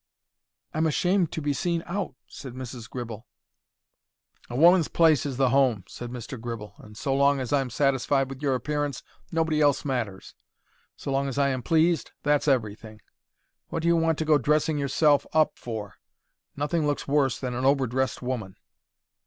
"I'm ashamed to be seen out," said Mrs. Gribble. "A woman's place is the home," said Mr. Gribble; "and so long as I'm satisfied with your appearance nobody else matters. So long as I am pleased, that's everything. What do you want to go dressing yourself up for? Nothing looks worse than an over dressed woman."